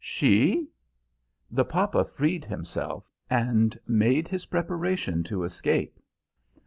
"She?" The papa freed himself, and made his preparation to escape.